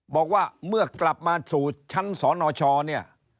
บอกว่าเมื่อกลับมาสู่ชั้นสนชเนี่ย